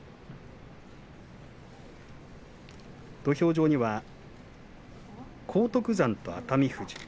土俵上には荒篤山と熱海富士。